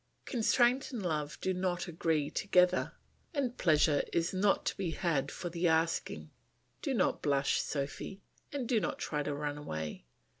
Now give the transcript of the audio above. Constraint and love do not agree together, and pleasure is not to be had for the asking. Do not blush, Sophy, and do not try to run away.